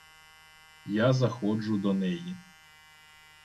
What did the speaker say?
Я заходжу до неї.